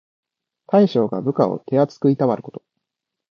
大将が部下を手あつくいたわること。